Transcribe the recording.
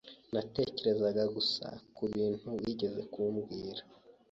Natekerezaga gusa kubintu wigeze kumbwira.